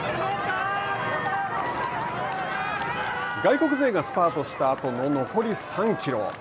外国勢がスパートしたあとの残り３キロ。